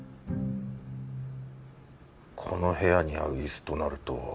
この部屋に合う椅子となると。